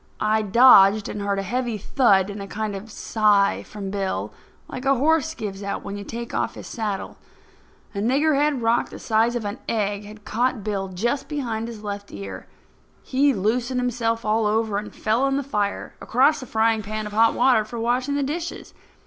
I dodged, and heard a heavy thud and a kind of a sigh from Bill, like a horse gives out when you take his saddle off. A niggerhead rock the size of an egg had caught Bill just behind his left ear. He loosened himself all over and fell in the fire across the frying pan of hot water for washing the dishes.